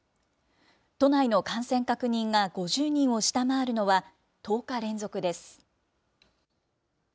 都内の感染確認が５０人を下回るのは１０日連続です。